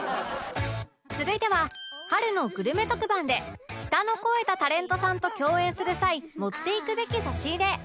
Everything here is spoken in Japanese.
続いては春のグルメ特番で舌の肥えたタレントさんと共演する際持っていくべき差し入れ